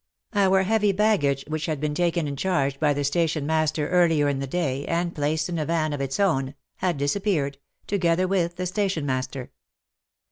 Our heavy baggage, which had been taken WAR AND WOMEN 209 in charge by the station master earlier in the day, and placed in a van of its own, had disappeared, together with the station master.